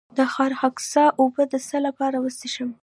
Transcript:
د خارخاسک اوبه د څه لپاره وڅښم؟